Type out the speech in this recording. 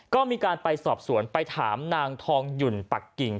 ก็มีการไปสอบสวนไปถามนางทองหยุ่นปักกิ่ง